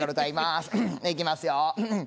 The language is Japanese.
いきますよ。